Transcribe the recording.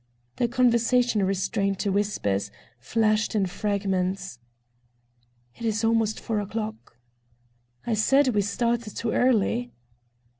Their conversation, restrained to whispers, flashed in fragments. "It is almost four o'clock." "I said we started too early."